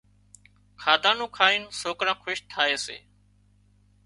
کاڌا نُون کائين سوڪران خوش ٿائي سي